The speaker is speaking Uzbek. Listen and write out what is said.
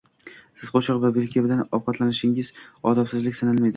Siz qoshiq va vilka bilan ovqatlanishingiz odobsizlik sanalmaydi.